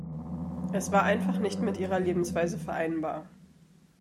Es war einfach nicht mit ihrer Lebensweise vereinbar.